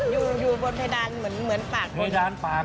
อยู่บนเพดานเหมือนปาก